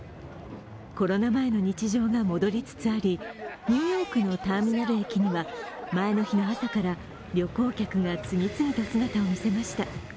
コロナ前の日常が戻りつつありニューヨークのターミナル駅には前の日の朝から旅行客が次々と姿を見せました。